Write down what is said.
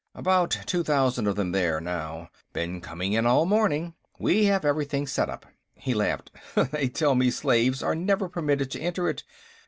"About two thousand of them there now; been coming in all morning. We have everything set up." He laughed. "They tell me slaves are never permitted to enter it.